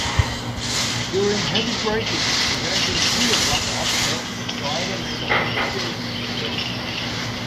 During heavy braking, preventing wheel lock-up helps the driver maintain steering control.